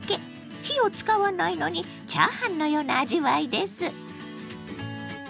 火を使わないのにチャーハンのような味わいです。